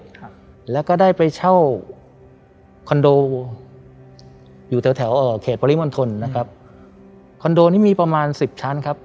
ครับแล้วก็ได้ไปเช่าคอนโดอยู่แถวแถวเอ่อเขตปริมณฑลนะครับคอนโดนี้มีประมาณสิบชั้นครับ